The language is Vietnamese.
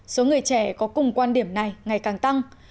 số người trẻ có cùng quan điểm này ngày càng tăng